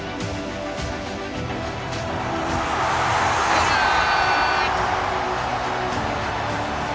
トライ！